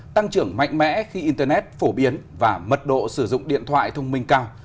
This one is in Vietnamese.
tăng trưởng mạnh mẽ khi internet phổ biến và mật độ sử dụng điện thoại thông minh cao